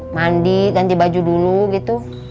mandi ganti baju dulu gitu